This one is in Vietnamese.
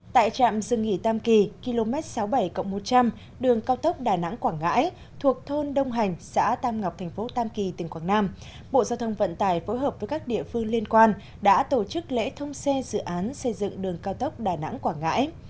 tại trạm dừng nghỉ tam kỳ km sáu mươi bảy một trăm linh đường cao tốc đà nẵng quảng ngãi thuộc thôn đông hành xã tam ngọc thành phố tam kỳ tỉnh quảng nam bộ giao thông vận tải phối hợp với các địa phương liên quan đã tổ chức lễ thông xe dự án xây dựng đường cao tốc đà nẵng quảng ngãi